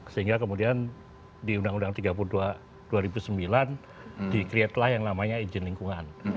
sehingga kemudian di undang undang tiga puluh dua dua ribu sembilan di createlah yang namanya izin lingkungan